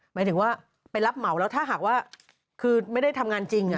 หมายถึงว่าไปรับเหมาแล้วถ้าหากว่าคือไม่ได้ทำงานจริง